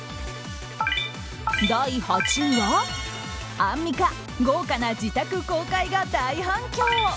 第８位は、アンミカ豪華な自宅公開が大反響。